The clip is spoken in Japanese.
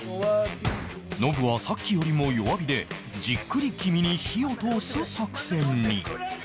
ノブはさっきよりも弱火でじっくり黄身に火を通す作戦に